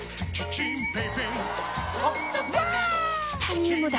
チタニウムだ！